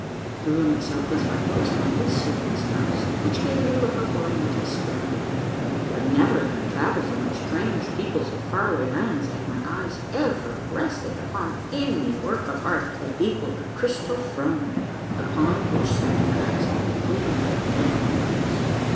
The room itself was likewise hung with silken stuffs, which gave it a look of Oriental splendor ; but never in my travels among strange peoples of far away lands had my eyes ever rested upon any work of art that equalled the crystal throne upon which sat Galaxa, Queen of the Mikkamenkies.